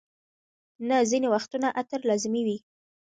نه، ځینې وختونه عطر لازمي وي.